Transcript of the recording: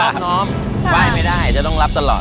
หวายไม่ได้ต้องรับตลอด